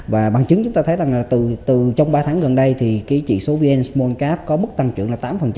và bằng chứng chúng ta thấy rằng là từ trong ba tháng gần đây thì cái chỉ số vn small cap có mức tăng trưởng là tám